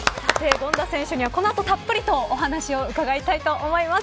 権田選手にはこの後たっぷりとお話を伺いたいと思います。